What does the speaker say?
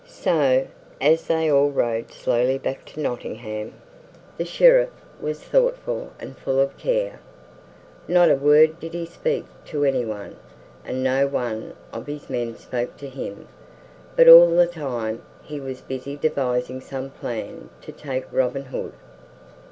So, as they all rode slowly back to Nottingham, the Sheriff was thoughtful and full of care. Not a word did he speak to anyone, and no one of his men spoke to him, but all the time he was busy devising some plan to take Robin Hood.